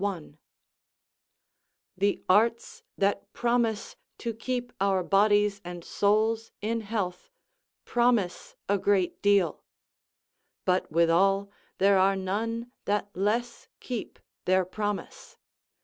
I.] The arts that promise to keep our bodies and souls in health promise a great deal; but, withal, there are none that less keep their promise.